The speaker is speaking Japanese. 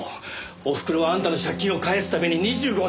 おふくろはあんたの借金を返すために２５年も。